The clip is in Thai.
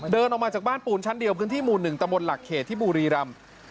เดินออกมาจากบ้านปูนชั้นเดียวพื้นที่หมู่๑ตะมนต์หลักเขตที่บุรีรำ